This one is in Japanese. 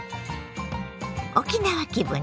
沖縄気分